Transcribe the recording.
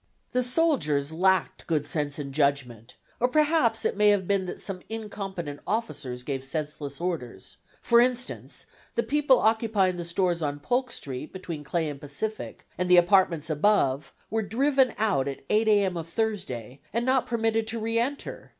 The soldiers lacked good sense and judgment, or perhaps it may have been that some incompetent officers gave senseless orders, for instance, the people occupying the stores on Polk Street, between Clay and Pacific, and the apartments above, were driven out at 8 A. M. of Thursday, and not permitted to re enter.